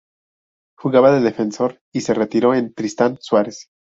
Jugaba de defensor y se retiró en Tristán Suárez.